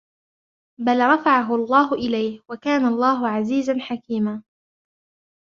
بل رفعه الله إليه وكان الله عزيزا حكيما